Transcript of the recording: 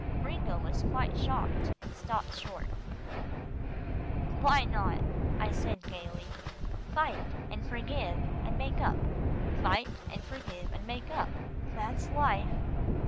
Gringo was quite shocked, and stopped short. "Why not," I said gaily. "Fight, and forgive, and make up fight, and forgive, and make up. That's life."